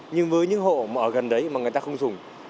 nhưng với những hộ mà ở gần đấy mà người ta không dùng